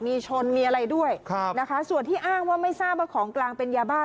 มีชนมีอะไรด้วยนะคะส่วนที่อ้างว่าไม่ทราบว่าของกลางเป็นยาบ้า